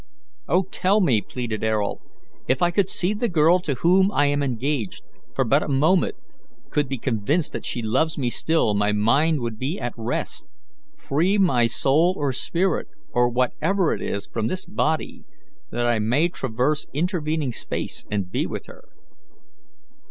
"Oh, tell me," pleaded Ayrault. "If I could see the girl to whom I am engaged, for but a moment, could be convinced that she loves me still, my mind would be at rest. Free my soul or spirit, or whatever it is, from this body, that I may traverse intervening space and be with her."